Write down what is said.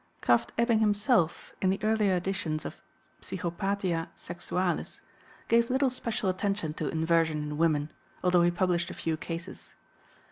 Krafft Ebing himself, in the earlier editions of Psychopathia Sexualis, gave little special attention to inversion in women, although he published a few cases.